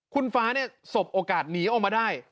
คุณฟ้าเนี่ยสบโอกาสหนีออกมาได้